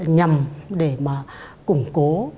nhằm để mà củng cố